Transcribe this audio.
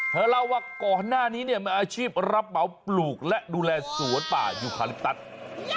เธอเล่าว่าก่อนหน้านี้เนี่ยมีอาชีพรับเหมาปลูกและดูแลสวนป่ายูคาลิปตัส